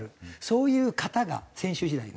そういう方が選手時代が。